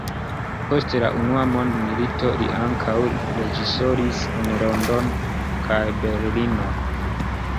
Post la unua mondmilito li ankaŭ reĝisoris en Londono kaj Berlino.